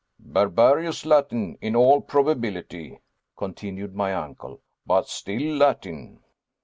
"Barbarous Latin, in all probability," continued my uncle, "but still Latin."